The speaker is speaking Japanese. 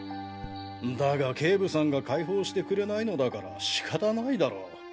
だが警部さんが解放してくれないのだから仕方ないだろう。